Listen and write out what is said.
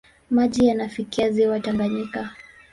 Maji yanafikia ziwa Tanganyika.